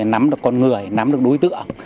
nắm được con người nắm được đối tượng